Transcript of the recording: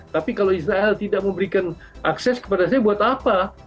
tapi kalau israel tidak memberikan akses kepada saya buat apa